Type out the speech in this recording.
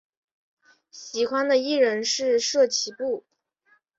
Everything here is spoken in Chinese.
喜欢的艺人是滨崎步。